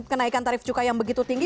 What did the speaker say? kenaikan tarif cukai yang begitu tinggi